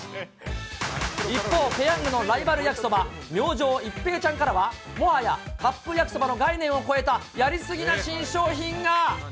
一方、ペヤングのライバル焼きそば、明星一平ちゃんからは、もはやカップ焼きそばの概念を超えた、やりすぎな新商品が。